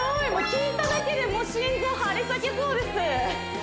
聞いただけで心臓張り裂けそうです